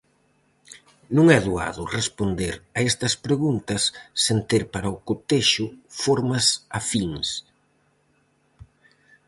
Non é doado responder a estas preguntas sen ter para o cotexo formas afíns.